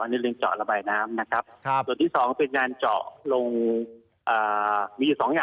การเจาะระบายน้ำก็จะตรงทางบริเวณปากถ้ำนะครับ